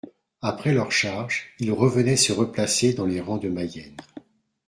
Après leur charge, ils revenaient se replacer dans les rangs de Mayenne.